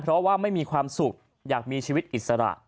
เพราะว่าไม่มีความสุขอยากมีชีวิตอิสระ